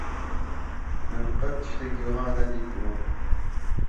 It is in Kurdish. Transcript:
Min qet tiştekî wiha nedîtibû.